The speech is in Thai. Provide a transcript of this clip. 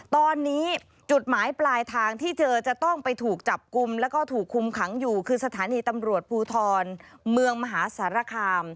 ตอนนี้จุดหมายปลายทางที่เจอจะต้องไปถูกจับกลุ่มแล้วก็ถูกคุมขังอยู่คือสถานีตำรวจภูทรเมืองมหาสารคาม